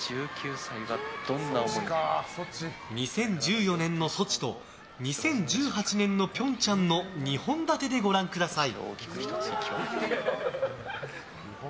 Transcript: ２０１４年のソチと２０１８年の平昌の２本立てでご覧ください。